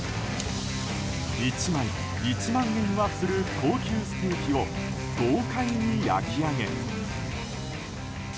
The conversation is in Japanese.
１枚１万円はする高級ステーキを豪快に焼き上げ。